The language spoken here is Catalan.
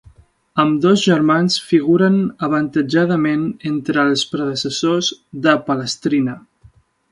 Ambdós germans figuren avantatjada ment entre els predecessors de Palestrina.